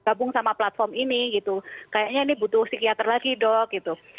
gabung sama platform ini gitu kayaknya ini butuh psikiater lagi dok gitu